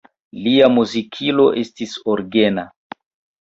Lia muzikilo estis orgeno.